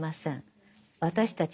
私たち